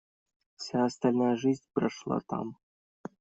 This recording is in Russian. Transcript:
Вся остальная жизнь прошла там.